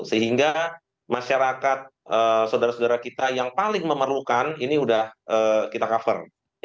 sehingga masyarakat saudara saudara kita yang paling memerlukan ini sudah kita cover